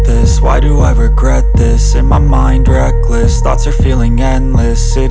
ibu semanja bikin ini buat ngelayain kenangan anak hadrian